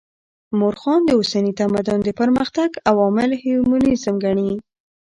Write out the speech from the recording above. مؤرخان د اوسني تمدن د پرمختګ عوامل هیومنيزم ګڼي.